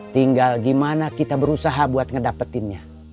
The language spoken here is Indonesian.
tinggal gimana kita berusaha buat ngedapetinnya